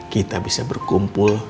kita bisa berkumpul